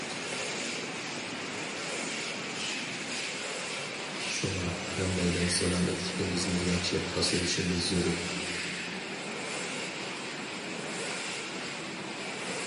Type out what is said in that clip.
شۇڭا ھەممەيلەن سالامەتلىكىمىزنى ياخشى ئاسرىشىمىز زۆرۈر.